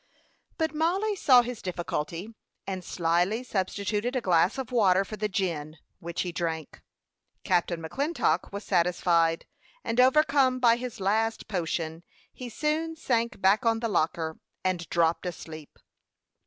But Mollie saw his difficulty, and slyly substituted a glass of water for the gin, which he drank. Captain McClintock was satisfied, and overcome by his last potion, he soon sank back on the locker, and dropped asleep.